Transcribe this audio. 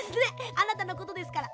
あなたのことですから。